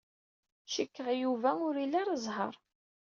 Cikkeɣ Yuba ur ili ara zzheṛ.